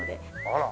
あら。